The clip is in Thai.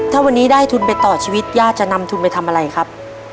ถ้าวันนี้ได้ทุนไปต่อชีวิตย่าจะนำทุนไปทำอะไรครับ